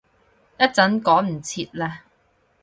一陣趕唔切喇